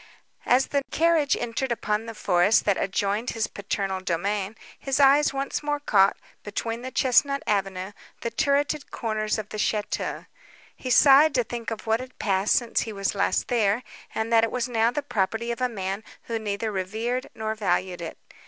As the carriage entered upon the forest that adjoined his paternal domain, his eyes once more caught, between the chesnut avenue, the turreted corners of the château. He sighed to think of what had passed since he was last there, and that it was now the property of a man who neither revered nor valued it.